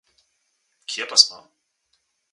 Kje pa smo?